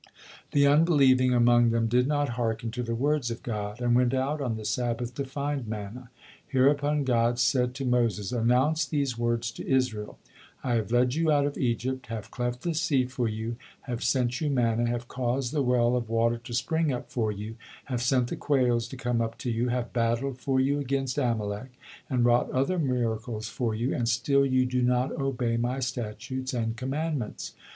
The unbelieving among them did not hearken to the words of God, and went out on the Sabbath to find manna. Here upon God said to Moses: "Announce these words to Israel: I have led you out of Egypt, have cleft the sea for you, have sent you manna, have caused the well of water to spring up for you, have sent the quails to come up to you, have battled for you against Amalek, and wrought other miracles for you, and still you do not obey My statutes and commandments.